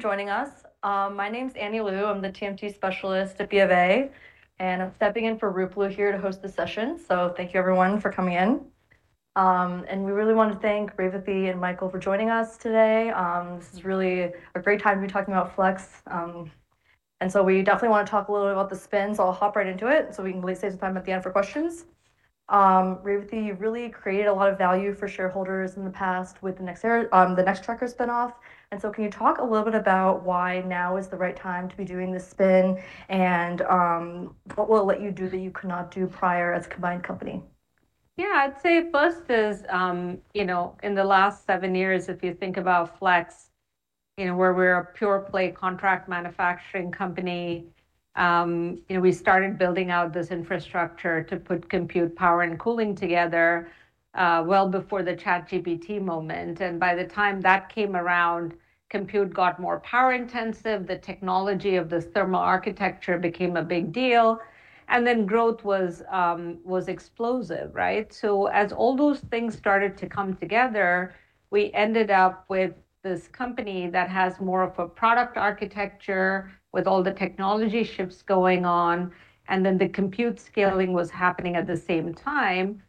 For joining us. My name's Annie Liu, I'm the TMT specialist at BofA. I'm stepping in for Ruplu here to host the session. Thank you everyone for coming in. We really want to thank Revathi and Michael for joining us today. This is really a great time to be talking about Flex. We definitely want to talk a little bit about the spin, so I'll hop right into it, so we can save some time at the end for questions. Revathi, you really created a lot of value for shareholders in the past with the Nextracker spinoff. Can you talk a little bit about why now is the right time to be doing this spin, and what will it let you do that you could not do prior as a combined company? I'd say first is, in the last seven years, if you think about Flex, where we're a pure-play contract manufacturing company. We started building out this infrastructure to put compute, power, and cooling together well before the ChatGPT moment. By the time that came around, compute got more power-intensive, the technology of this thermal architecture became a big deal, growth was explosive, right. As all those things started to come together, we ended up with this company that has more of a product architecture with all the technology shifts going on, the compute scaling was happening at the same time.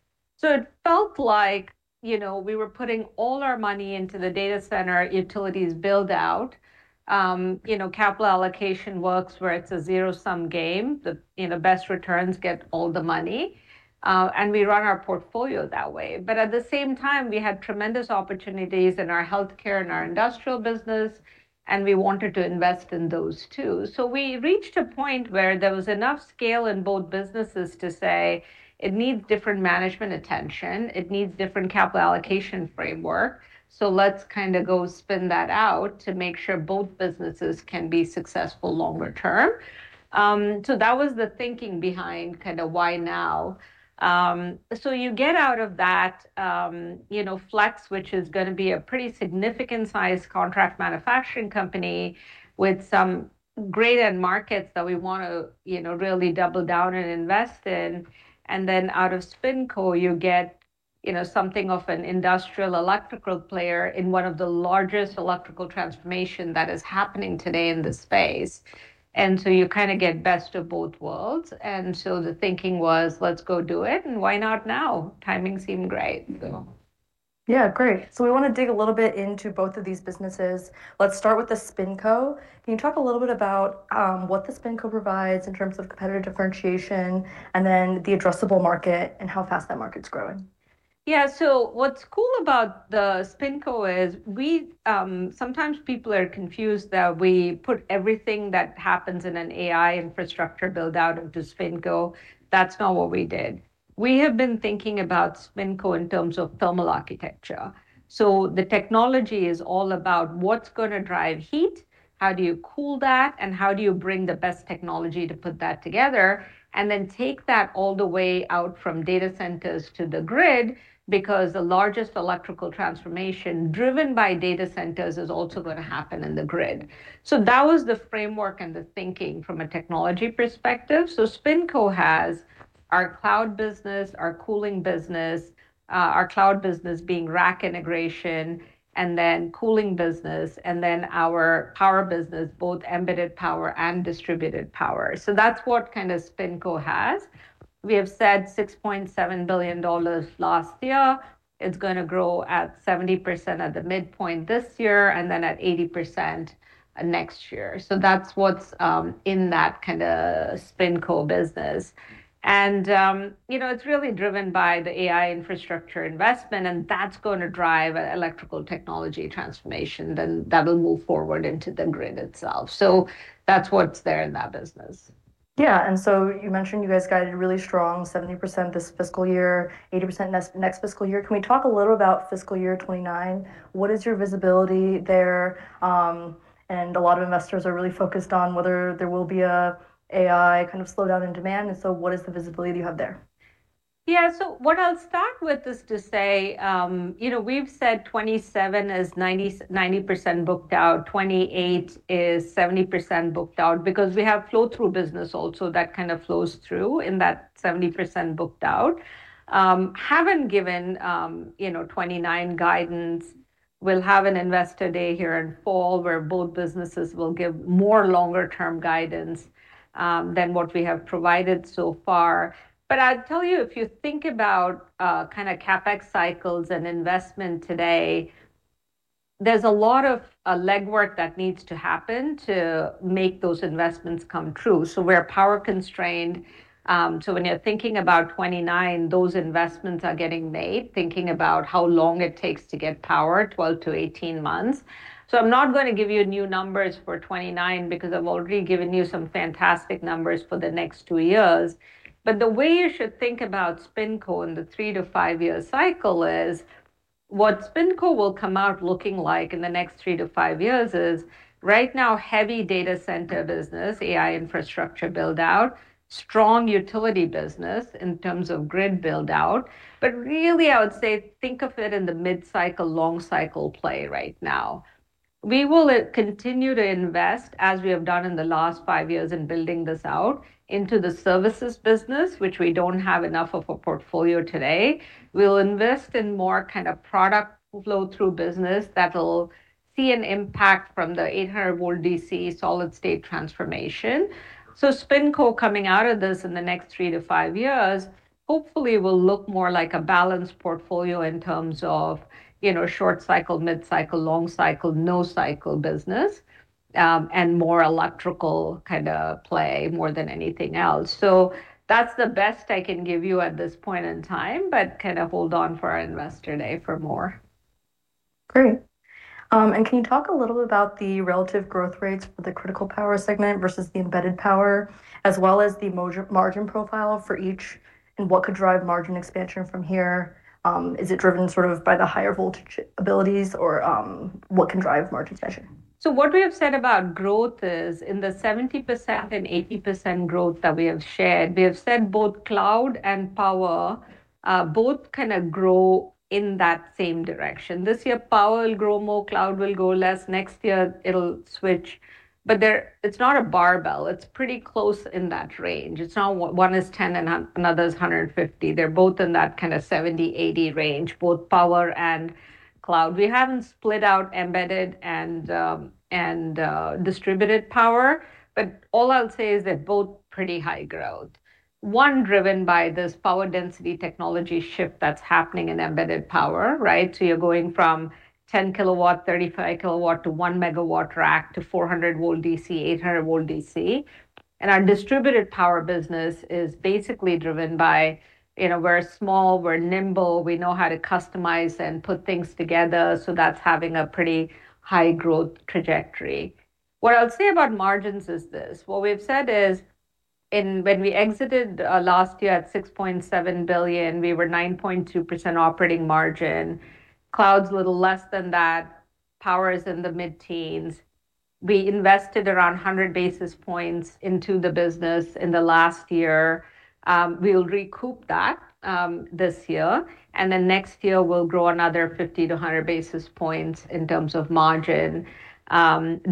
It felt like we were putting all our money into the data center utilities build-out. Capital allocation works where it's a zero-sum game. The best returns get all the money. We run our portfolio that way. At the same time, we had tremendous opportunities in our healthcare and our industrial business, and we wanted to invest in those too. We reached a point where there was enough scale in both businesses to say it needs different management attention. It needs different capital allocation framework. Let's go spin that out to make sure both businesses can be successful longer term. That was the thinking behind why now. You get out of that Flex, which is going to be a pretty significant size contract manufacturing company with some great end markets that we want to really double down and invest in, and then out of SpinCo, you get something of an industrial electrical player in one of the largest electrical transformation that is happening today in this space. You get best of both worlds. The thinking was, let's go do it, and why not now? Timing seemed great. Yeah, great. We want to dig a little bit into both of these businesses. Let's start with the SpinCo. Can you talk a little bit about what the SpinCo provides in terms of competitive differentiation, and then the addressable market and how fast that market's growing? What's cool about the SpinCo is sometimes people are confused that we put everything that happens in an AI infrastructure build-out into SpinCo. That's not what we did. We have been thinking about SpinCo in terms of thermal architecture. The technology is all about what's going to drive heat, how do you cool that, and how do you bring the best technology to put that together, and then take that all the way out from data centers to the grid, because the largest electrical transformation driven by data centers is also going to happen in the grid. That was the framework and the thinking from a technology perspective. SpinCo has our cloud business, our cooling business, our cloud business being rack integration, and then cooling business, and then our power business, both embedded power and distributed power. That's what SpinCo has. We have said $6.7 billion last year. It's going to grow at 70% at the midpoint this year, and then at 80% next year. That's what's in that SpinCo business. It's really driven by the AI infrastructure investment, and that's going to drive electrical technology transformation. That'll move forward into the grid itself. That's what's there in that business. Yeah. You mentioned you guys guided really strong, 70% this fiscal year, 80% next fiscal year. Can we talk a little about fiscal year 2029? What is your visibility there? A lot of investors are really focused on whether there will be an AI slowdown in demand, and so what is the visibility you have there? Yeah. What I'll start with is to say, we've said 2027 is 90% booked out, 2028 is 70% booked out because we have flow-through business also that kind of flows through in that 70% booked out. Haven't given 2029 guidance. We'll have an Investor Day here in fall where both businesses will give more longer-term guidance than what we have provided so far. I'd tell you, if you think about CapEx cycles and investment today, there's a lot of legwork that needs to happen to make those investments come true. We're power constrained. When you're thinking about 2029, those investments are getting made, thinking about how long it takes to get power, 12-18 months. I'm not going to give you new numbers for 2029 because I've already given you some fantastic numbers for the next two years. The way you should think about SpinCo in the three-to-five-year cycle is what SpinCo will come out looking like in the next three to five years is right now, heavy data center business, AI infrastructure build-out, strong utility business in terms of grid build-out. Really I would say think of it in the mid-cycle, long cycle play right now. We will continue to invest, as we have done in the last five years in building this out, into the services business, which we don't have enough of a portfolio today. We'll invest in more kind of product flow through business that'll see an impact from the 800 VDC solid state transformation. SpinCo coming out of this in the next three to five years hopefully will look more like a balanced portfolio in terms of short cycle, mid cycle, long cycle, no cycle business, and more electrical kind of play more than anything else. That's the best I can give you at this point in time, but kind of hold on for our Investor Day for more. Great. Can you talk a little about the relative growth rates for the critical power segment versus the embedded power, as well as the margin profile for each, and what could drive margin expansion from here? Is it driven sort of by the higher voltage abilities, or what can drive margin expansion? What we have said about growth is, in the 70% and 80% growth that we have shared, we have said both cloud and power both kind of grow in that same direction. This year, power will grow more, cloud will grow less. Next year it'll switch. It's not a barbell, it's pretty close in that range. It's not one is 10 and another is 150. They're both in that kind of 70%, 80% range, both power and cloud. We haven't split out embedded and distributed power. All I'll say is they're both pretty high growth. One driven by this power density technology shift that's happening in embedded power, right? You're going from 10 kW, 35 kW, to 1 MW rack, to 400 VDC, 800 VDC. Our distributed power business is basically driven by, we're small, we're nimble, we know how to customize and put things together, so that's having a pretty high growth trajectory. What I'll say about margins is this. What we've said is, when we exited last year at $6.7 billion, we were 9.2% operating margin. Cloud's a little less than that. Power is in the mid-teens. We invested around 100 basis points into the business in the last year. We'll recoup that this year, and then next year we'll grow another 50-100 basis points in terms of margin,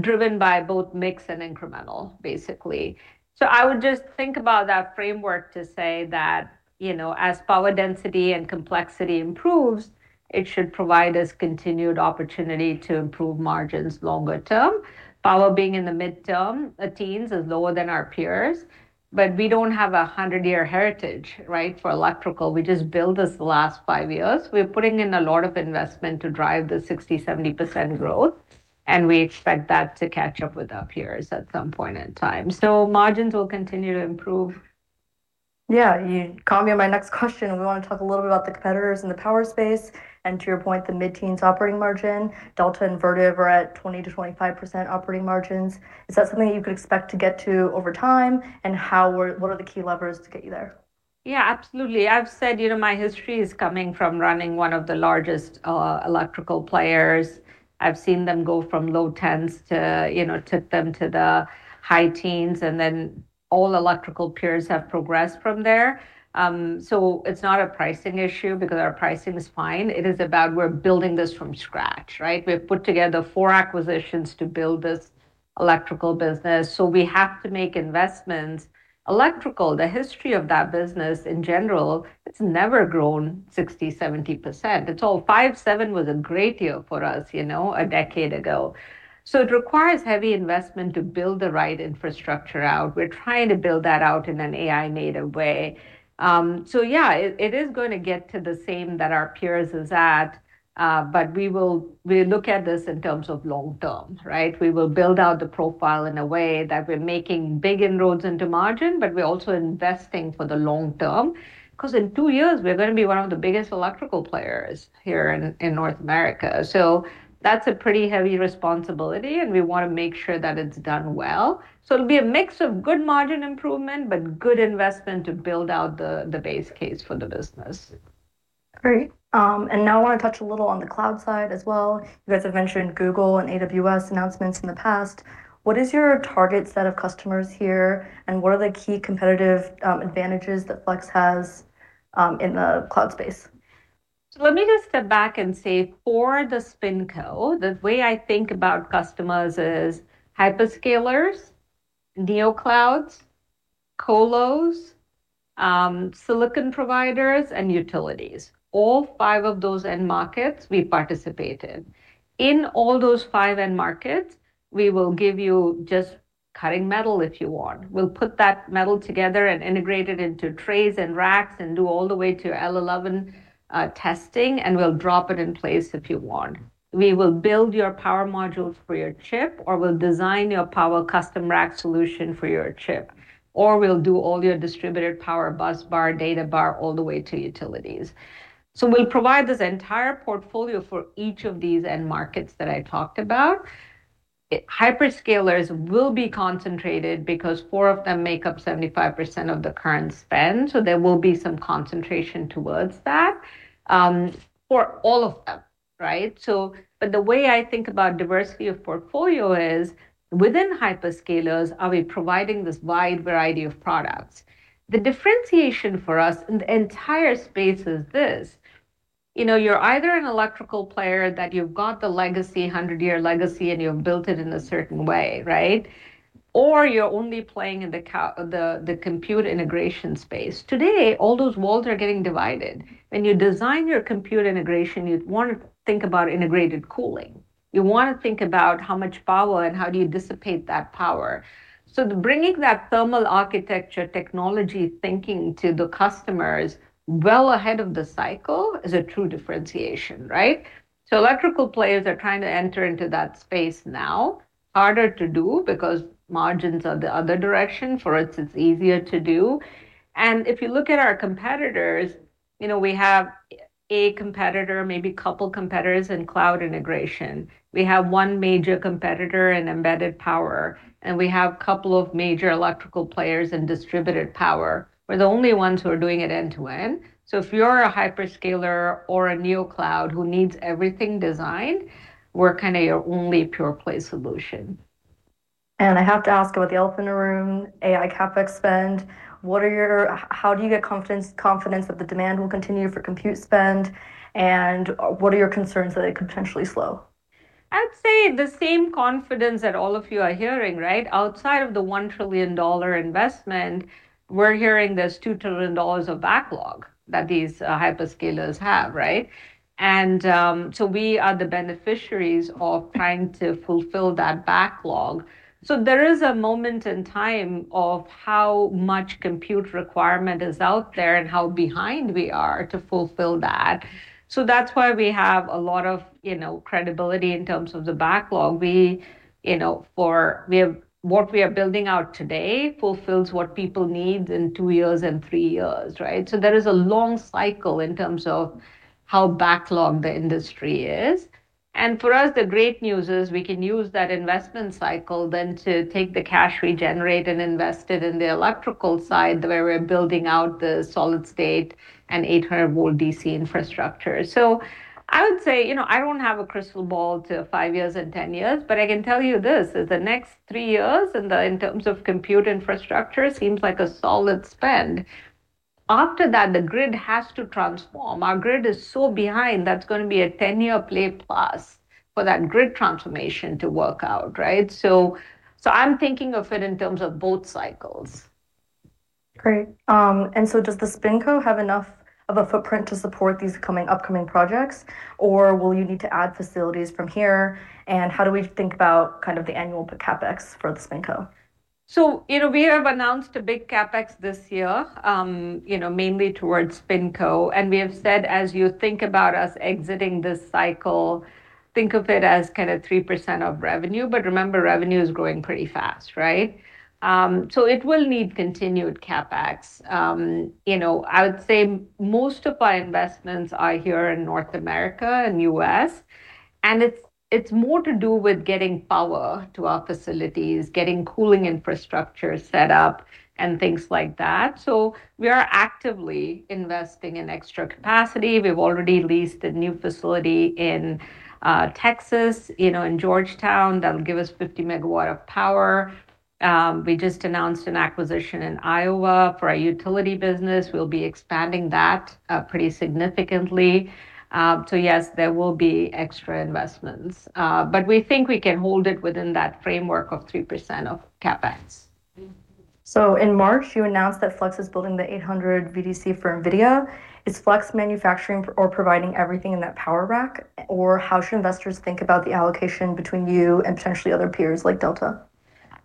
driven by both mix and incremental, basically. I would just think about that framework to say that, as power density and complexity improves, it should provide us continued opportunity to improve margins longer term. Power being in the midterm, teens is lower than our peers, but we don't have a 100-year heritage for electrical. We just built this the last five years. We're putting in a lot of investment to drive the 60%, 70% growth, and we expect that to catch up with our peers at some point in time. Margins will continue to improve. Yeah. You caught me on my next question. We want to talk a little bit about the competitors in the power space, and to your point, the mid-teens operating margin. Delta and Vertiv are at 20%-25% operating margins. Is that something that you could expect to get to over time? What are the key levers to get you there? Yeah, absolutely. I've said my history is coming from running one of the largest electrical players. I've seen them go from low tens to the high teens, and then all electrical peers have progressed from there. It's not a pricing issue because our pricing is fine. It is about we're building this from scratch, right? We've put together four acquisitions to build this electrical business, so we have to make investments. Electrical, the history of that business in general, it's never grown 60%, 70%. Five, seven was a great year for us a decade ago. It requires heavy investment to build the right infrastructure out. We're trying to build that out in an AI native way. Yeah, it is going to get to the same that our peers is at, but we look at this in terms of long term, right? We will build out the profile in a way that we're making big inroads into margin, but we're also investing for the long term. In two years we're going to be one of the biggest electrical players here in North America. That's a pretty heavy responsibility, and we want to make sure that it's done well. It'll be a mix of good margin improvement, but good investment to build out the base case for the business. Great. Now I want to touch a little on the cloud side as well. You guys have mentioned Google and AWS announcements in the past. What is your target set of customers here, and what are the key competitive advantages that Flex has in the cloud space? Let me just step back and say for the SpinCo, the way I think about customers is hyperscalers, neoclouds, colos, silicon providers, and utilities. All five of those end markets we participate in. In all those five end markets, we will give you just cutting metal if you want. We'll put that metal together and integrate it into trays and racks and do all the way to L11 testing, and we'll drop it in place if you want. We will build your power modules for your chip, or we'll design your power custom rack solution for your chip. We'll do all your distributed power bus bar, data bar, all the way to utilities. We'll provide this entire portfolio for each of these end markets that I talked about. Hyperscalers will be concentrated because four of them make up 75% of the current spend, so there will be some concentration towards that for all of them, right? The way I think about diversity of portfolio is within hyperscalers, are we providing this wide variety of products? The differentiation for us in the entire space is this. You're either an electrical player that you've got the legacy, 100-year legacy, and you've built it in a certain way, right? You're only playing in the compute integration space. Today, all those walls are getting divided. When you design your compute integration, you'd want to think about integrated cooling. You want to think about how much power and how do you dissipate that power. Bringing that thermal architecture technology thinking to the customers well ahead of the cycle is a true differentiation, right? Electrical players are trying to enter into that space now. Harder to do because margins are the other direction. For us, it's easier to do. If you look at our competitors, we have a competitor, maybe couple competitors in cloud integration. We have one major competitor in embedded power, and we have couple of major electrical players in distributed power. We're the only ones who are doing it end-to-end. If you're a hyperscaler or a neo cloud who needs everything designed, we're kind of your only pure play solution. I have to ask about the elephant in the room, AI CapEx spend. How do you get confidence that the demand will continue for compute spend, and what are your concerns that it could potentially slow? I'd say the same confidence that all of you are hearing, right? Outside of the $1 trillion investment, we're hearing there's $2 trillion of backlog that these hyperscalers have, right? We are the beneficiaries of trying to fulfill that backlog. There is a moment in time of how much compute requirement is out there and how behind we are to fulfill that. That's why we have a lot of credibility in terms of the backlog. What we are building out today fulfills what people need in two years and three years, right? There is a long cycle in terms of how backlogged the industry is. For us, the great news is we can use that investment cycle then to take the cash we generate and invest it in the electrical side, where we're building out the solid state and 800 VDC infrastructure. I would say, I don't have a crystal ball to five years and 10 years, but I can tell you this, is the next three years in terms of compute infrastructure seems like a solid spend. After that, the grid has to transform. Our grid is so behind, that's going to be a 10-year play plus for that grid transformation to work out, right? I'm thinking of it in terms of both cycles. Great. Does the SpinCo have enough of a footprint to support these upcoming projects, or will you need to add facilities from here? How do we think about the annual CapEx for the SpinCo? We have announced a big CapEx this year, mainly towards SpinCo. We have said, as you think about us exiting this cycle, think of it as kind of 3% of revenue, but remember, revenue is growing pretty fast, right? It will need continued CapEx. I would say most of our investments are here in North America and U.S., and it's more to do with getting power to our facilities, getting cooling infrastructure set up and things like that. We are actively investing in extra capacity. We've already leased a new facility in Texas, in Georgetown, that'll give us 50 MW of power. We just announced an acquisition in Iowa for our utility business. We'll be expanding that pretty significantly. Yes, there will be extra investments. We think we can hold it within that framework of 3% of CapEx. In March, you announced that Flex is building the 800 VDC for NVIDIA. Is Flex manufacturing or providing everything in that power rack, or how should investors think about the allocation between you and potentially other peers like Delta?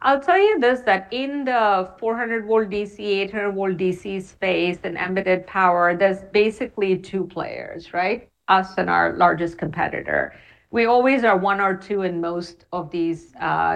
I'll tell you this, that in the 400 VDC, 800 VDC space and embedded power, there's basically two players, right? Us and our largest competitor. We always are one or two in most of these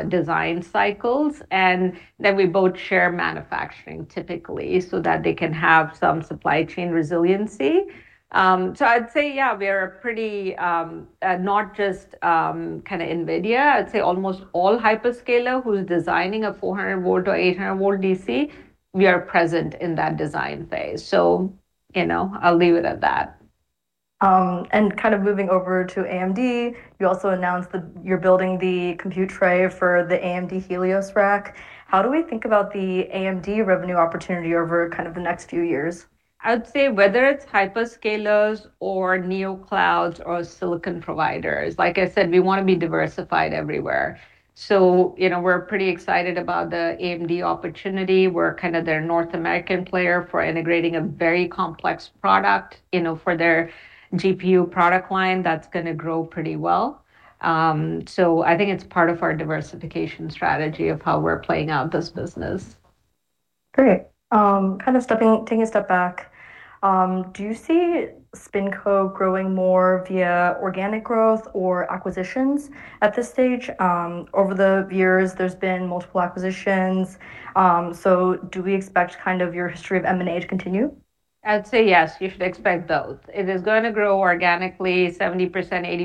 design cycles, and then we both share manufacturing typically so that they can have some supply chain resiliency. I'd say yeah, we are pretty, not just NVIDIA, I'd say almost all hyperscaler who's designing a 400 V or 800 VDC, we are present in that design phase. I'll leave it at that. Kind of moving over to AMD, you also announced that you're building the compute tray for the AMD Helios rack. How do we think about the AMD revenue opportunity over the next few years? I'd say whether it's hyperscalers or neoclouds or silicon providers, like I said, we want to be diversified everywhere. We're pretty excited about the AMD opportunity. We're kind of their North American player for integrating a very complex product for their GPU product line that's going to grow pretty well. I think it's part of our diversification strategy of how we're playing out this business. Great. Taking a step back, do you see SpinCo growing more via organic growth or acquisitions at this stage? Over the years, there's been multiple acquisitions, so do we expect your history of M&A to continue? I'd say yes, you should expect both. It is going to grow organically 70%,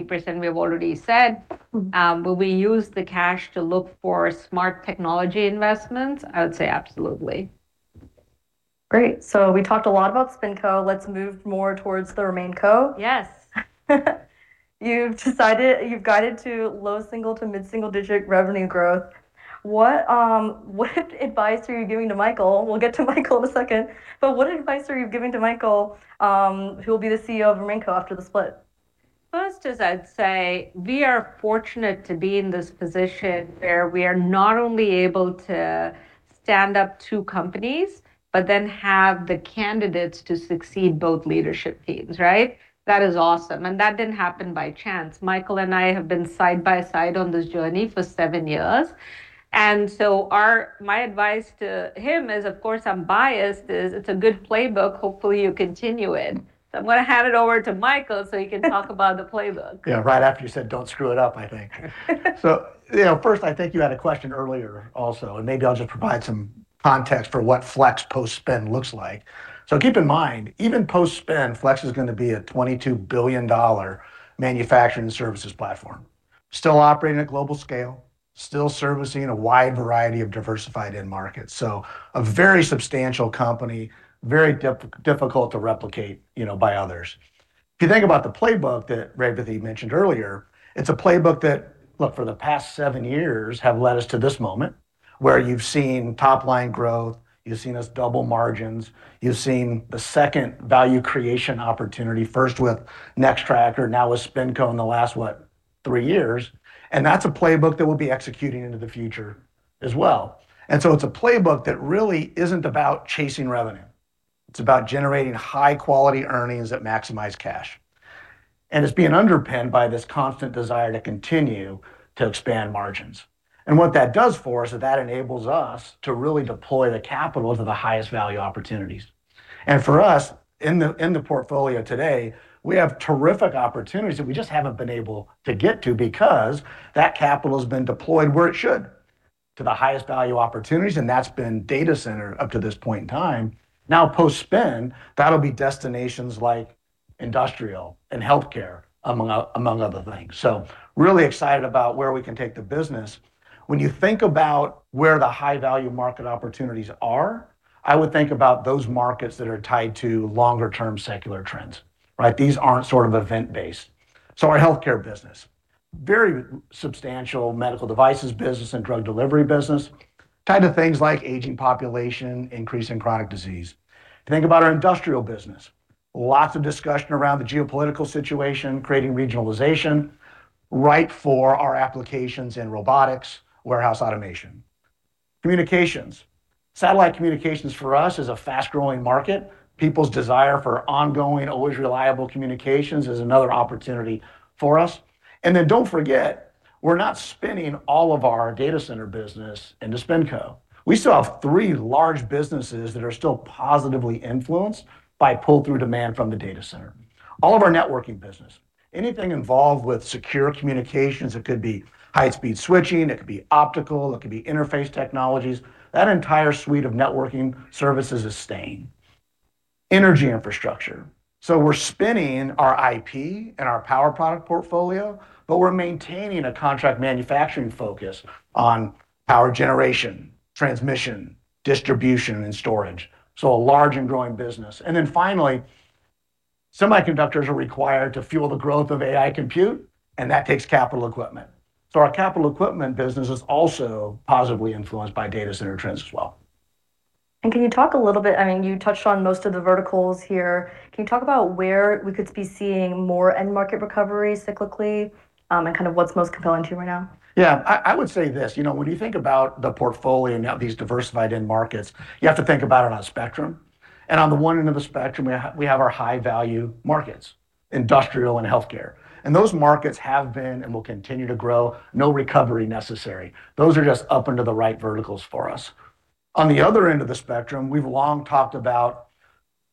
80%, we've already said. Will we use the cash to look for smart technology investments? I would say absolutely. Great. We talked a lot about SpinCo. Let's move more towards the RemainCo. Yes. You've guided to low single to mid single-digit revenue growth. What advice are you giving to Michael? We'll get to Michael in a second, but what advice are you giving to Michael, who will be the CEO of RemainCo after the split? First is I'd say we are fortunate to be in this position where we are not only able to stand up two companies, but then have the candidates to succeed both leadership teams, right? That didn't happen by chance. Michael and I have been side by side on this journey for seven years. My advice to him is, of course, I'm biased, is it's a good playbook. Hopefully you continue it. I'm going to hand it over to Michael so he can talk about the playbook. Yeah. Right after you said, "Don't screw it up," I think. First, I think you had a question earlier also, and maybe I'll just provide some context for what Flex post-spin looks like. Keep in mind, even post-spin, Flex is going to be a $22 billion manufacturing services platform. Still operating at global scale, still servicing a wide variety of diversified end markets. A very substantial company, very difficult to replicate by others. If you think about the playbook that Revathi mentioned earlier, it's a playbook that, look, for the past seven years have led us to this moment where you've seen top-line growth, you've seen us double margins, you've seen the second value creation opportunity, first with Nextracker, now with SpinCo in the last, what? Three years. That's a playbook that we'll be executing into the future as well. It's a playbook that really isn't about chasing revenue. It's about generating high-quality earnings that maximize cash, and it's being underpinned by this constant desire to continue to expand margins. What that does for us is that enables us to really deploy the capital to the highest value opportunities. For us, in the portfolio today, we have terrific opportunities that we just haven't been able to get to because that capital's been deployed where it should, to the highest value opportunities, and that's been data center up to this point in time. Now post-spin, that'll be destinations like industrial and healthcare, among other things. Really excited about where we can take the business. When you think about where the high-value market opportunities are, I would think about those markets that are tied to longer-term secular trends, right? These aren't event-based. Our healthcare business, very substantial medical devices business and drug delivery business, kind of things like aging population, increase in chronic disease. Think about our industrial business. Lots of discussion around the geopolitical situation, creating regionalization, ripe for our applications in robotics, warehouse automation. Communications. Satellite communications for us is a fast-growing market. People's desire for ongoing, always reliable communications is another opportunity for us. Don't forget, we're not spinning all of our data center business into SpinCo. We still have three large businesses that are still positively influenced by pull-through demand from the data center. All of our networking business, anything involved with secure communications, it could be high-speed switching, it could be optical, it could be interface technologies. That entire suite of networking services is staying. Energy infrastructure. We're spinning our IP and our power product portfolio, but we're maintaining a contract manufacturing focus on power generation, transmission, distribution, and storage. A large and growing business. Finally, semiconductors are required to fuel the growth of AI compute, and that takes capital equipment. Our capital equipment business is also positively influenced by data center trends as well. Can you talk a little bit, you touched on most of the verticals here. Can you talk about where we could be seeing more end market recovery cyclically, and kind of what's most compelling to you right now? Yeah. I would say this. When you think about the portfolio and these diversified end markets, you have to think about it on a spectrum. On the one end of the spectrum, we have our high-value markets, industrial and healthcare. Those markets have been and will continue to grow, no recovery necessary. Those are just up into the right verticals for us. On the other end of the spectrum, we've long talked about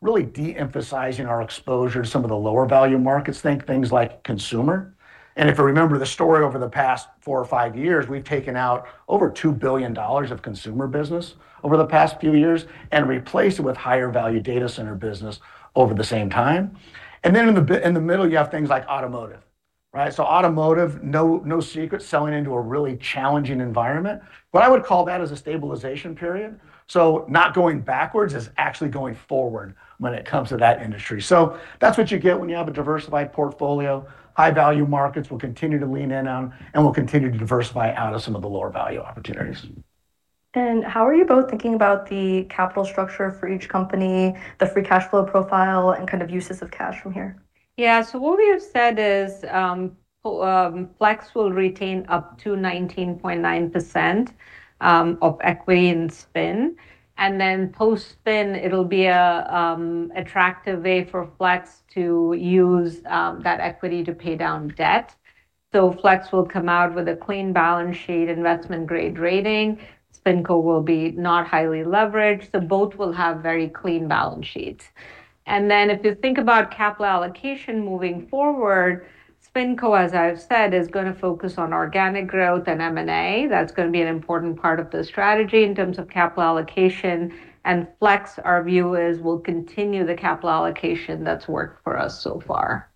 really de-emphasizing our exposure to some of the lower-value markets. Think things like consumer. If you remember the story over the past four or five years, we've taken out over $2 billion of consumer business over the past few years and replaced it with higher-value data center business over the same time. In the middle, you have things like automotive, right? Automotive, no secret, selling into a really challenging environment. I would call that as a stabilization period. Not going backwards as actually going forward when it comes to that industry. That's what you get when you have a diversified portfolio. High-value markets we'll continue to lean in on, and we'll continue to diversify out of some of the lower-value opportunities. How are you both thinking about the capital structure for each company, the free cash flow profile, and kind of uses of cash from here? What we have said is Flex will retain up to 19.9% of equity in spin, and then post-spin, it'll be an attractive way for Flex to use that equity to pay down debt. Flex will come out with a clean balance sheet investment-grade rating. SpinCo will be not highly leveraged, both will have very clean balance sheets. If you think about capital allocation moving forward, SpinCo, as I've said, is going to focus on organic growth and M&A. That's going to be an important part of the strategy in terms of capital allocation. Flex, our view is, will continue the capital allocation that's worked for us so far.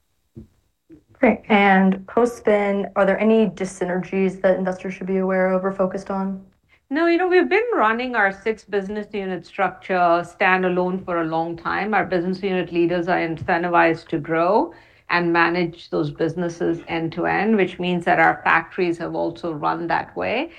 Great. Post-spin, are there any dyssynergies that investors should be aware of or focused on? No, we've been running our six-business unit structure standalone for a long time. Our business unit leaders are incentivized to grow and manage those businesses end to end, which means that our factories have also run that way.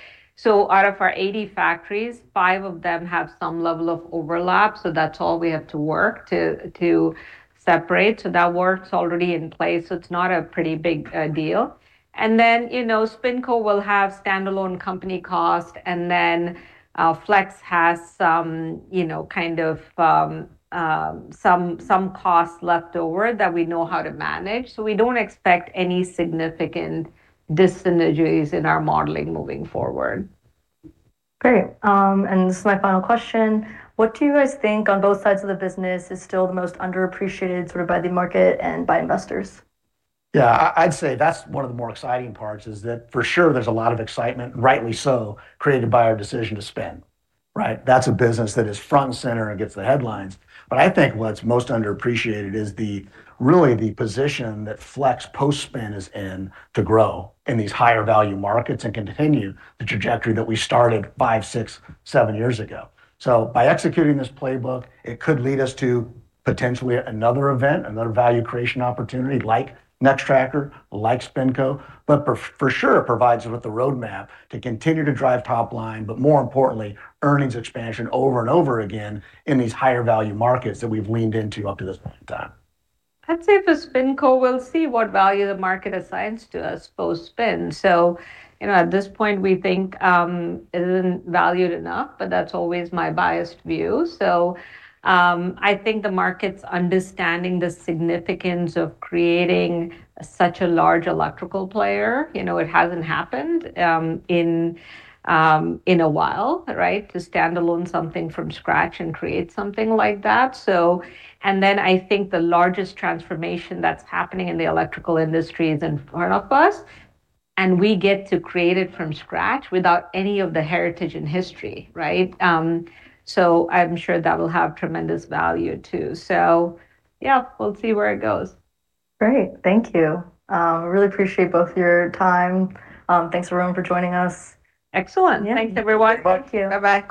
Out of our 80 factories, five of them have some level of overlap, so that's all we have to work to separate. That work's already in place, so it's not a pretty big deal. SpinCo will have standalone company cost, and then Flex has some costs left over that we know how to manage. We don't expect any significant dis-synergies in our modeling moving forward. Great. This is my final question. What do you guys think on both sides of the business is still the most underappreciated sort of by the market and by investors? I'd say that's one of the more exciting parts is that for sure there's a lot of excitement, and rightly so, created by our decision to spin. Right? That's a business that is front and center and gets the headlines. I think what's most underappreciated is really the position that Flex post-spin is in to grow in these higher value markets and continue the trajectory that we started five, six, seven years ago. By executing this playbook, it could lead us to potentially another event, another value creation opportunity like Nextracker, like SpinCo. For sure, it provides it with a roadmap to continue to drive top line, but more importantly, earnings expansion over and over again in these higher value markets that we've leaned into up to this point in time. I'd say for SpinCo, we'll see what value the market assigns to us post-spin. At this point we think it isn't valued enough, but that's always my biased view. I think the market's understanding the significance of creating such a large electrical player. It hasn't happened in a while, right? To standalone something from scratch and create something like that. I think the largest transformation that's happening in the electrical industry is in front of us, and we get to create it from scratch without any of the heritage and history, right? I'm sure that will have tremendous value too. Yeah, we'll see where it goes. Great. Thank you. I really appreciate both your time. Thanks everyone for joining us. Excellent. Yeah. Thanks everyone. Thank you. Bye-bye.